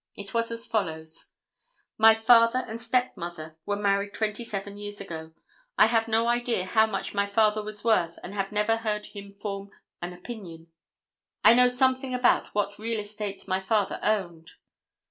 It was as follows: "My father and stepmother were married twenty seven years ago. I have no idea how much my father was worth and have never heard him form an opinion. I know something about what real estate my father owned."